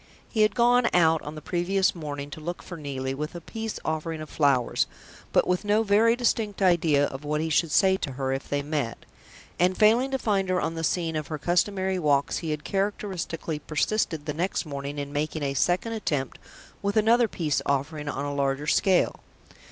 He had gone out on the previous morning to look for Neelie with a peace offering of flowers, but with no very distinct idea of what he should say to her if they met; and failing to find her on the scene of her customary walks, he had characteristically persisted the next morning in making a second attempt with another peace offering on a larger scale.